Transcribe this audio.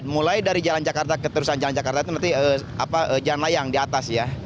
mulai dari jalan jakarta keterusan jalan jakarta itu berarti jalan layang di atas ya